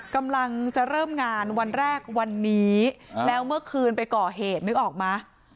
กำลังจะเริ่มงานวันแรกวันนี้แล้วเมื่อคืนไปก่อเหตุนึกออกไหม